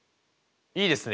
いいですね。